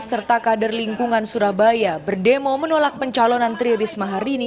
serta kader lingkungan surabaya berdemo menolak pencalonan tri risma hari ini